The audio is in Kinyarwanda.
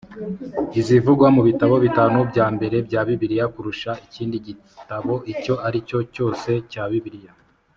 izivugwa mu bitabo bitanu bya mbere bya bibiliya kurusha ikindi gitabo icyo ari cyo cyose cya bibiliya